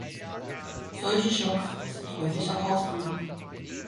Solche Schocks sind häufig auch hausgemacht.